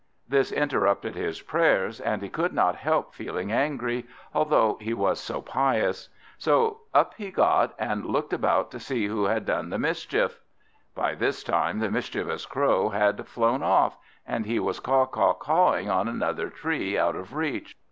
This interrupted his prayers, and he could not help feeling angry, although he was so pious. So up got he, and looked about to see who had done the mischief. By this time the mischievous Crow had flown off, and he was caw caw cawing on another tree, out of reach.